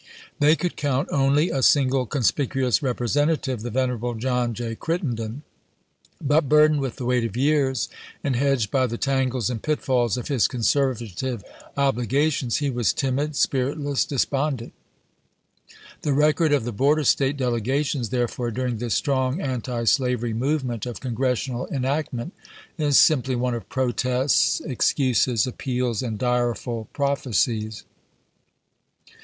They could count only a single conspicuous representative — the venerable John J. Crittenden; but burdened with the weight of years, and hedged by the tangles and pitfalls of his conservative obligations, he was timid, spiritless, despondent. The record of the border State delegations, therefore, during this strong antislavery movement of Congressional en actment is simply one of protests, excuses, appeals, and dkeful prophecies.